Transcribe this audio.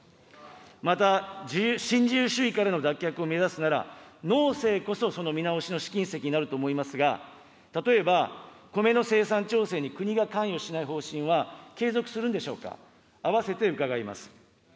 また、新自由主義からの脱却を目指すなら、農政こそその見直しの試金石になると思いますが、例えば米の生産調整に国が関与しない方針は継続するんでしょうか、併せて伺います。